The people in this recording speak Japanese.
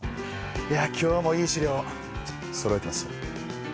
いや今日もいい資料そろえてますよ。